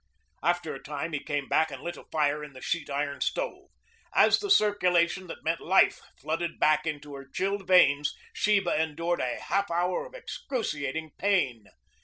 After a time he came back and lit a fire in the sheet iron stove. As the circulation that meant life flooded back into her chilled veins Sheba endured a half hour of excruciating pain.